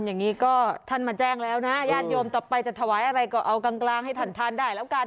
อย่างนี้ก็ท่านมาแจ้งแล้วนะญาติโยมต่อไปจะถวายอะไรก็เอากลางให้ท่านทานได้แล้วกัน